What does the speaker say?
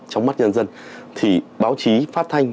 trong mắt nhân dân thì báo chí phát thanh